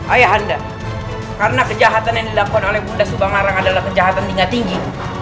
ayah anda karena kejahatan yang dilakukan oleh bunda subangarang adalah kejahatan tingkat tinggi